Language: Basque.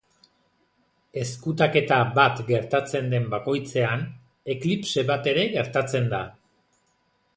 Ezkutaketa bat gertatzen den bakoitzean, eklipse bat ere gertatzen da.